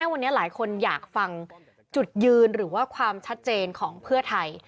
วันนี้หลายคนอยากฟังจุดยืนหรือว่าความชัดเจนของเพื่อไทย